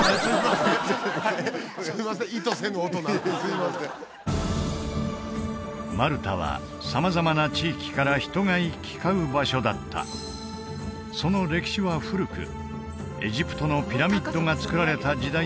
はいすいません意図せぬ音なんですいませんマルタは様々な地域から人が行き交う場所だったその歴史は古くエジプトのピラミッドがつくられた時代より